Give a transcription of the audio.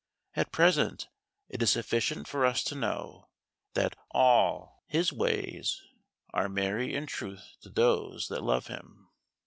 At present, it is sufficient for us to know, That all his ways are many & truth to those that love him.